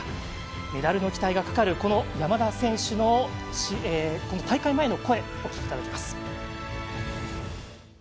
メダルの期待もかかる山田選手の大会前の声お聞きいただきます。